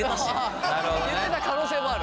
言ってた可能性もある？